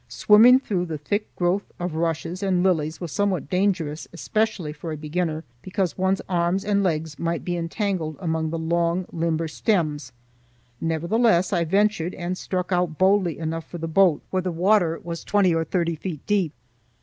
Swimming through the thick growth of rushes and lilies was somewhat dangerous, especially for a beginner, because one's arms and legs might be entangled among the long, limber stems; nevertheless I ventured and struck out boldly enough for the boat, where the water was twenty or thirty feet deep.